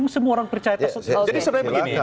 semua orang percaya jadi survei begini